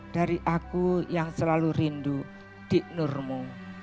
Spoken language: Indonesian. dari aku yang selalu rindu dik nurmu